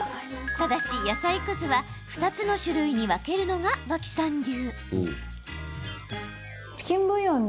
ただし、野菜くずは２つの種類に分けるのが脇さん流。